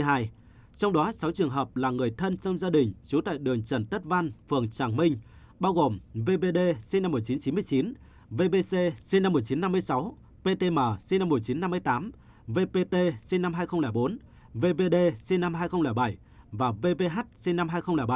vpc sinh năm một nghìn chín trăm năm mươi sáu ptm sinh năm một nghìn chín trăm năm mươi tám vpt sinh năm hai nghìn bốn vvd sinh năm hai nghìn bảy và vvh sinh năm hai nghìn bảy